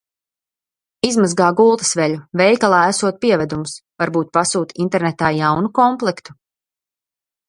Izmazgā gultasveļu! Veikalā esot pievedums. Varbūt pasūti internetā jaunu komplektu?